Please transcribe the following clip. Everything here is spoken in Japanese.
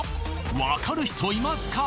わかる人いますか？